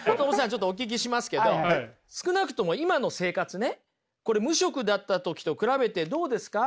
ちょっとお聞きしますけど少なくとも今の生活ねこれ無職だった時と比べてどうですか？